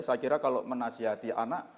saya kira kalau menasihati anak